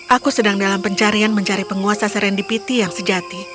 aku sedang dalam pencarian mencari penguasa serendipiti yang sejati